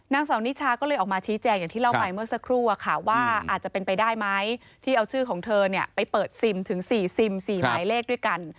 นางสาวนิชาก็เลยออกมาชี้แจงอย่างที่เล่าไปเมื่อสักครู่ว่าอาจจะเป็นไปได้ไหมที่เอาชื่อของเธอไปเปิดซิมถึง๔ซิม๔หมายเลขด้วยกัน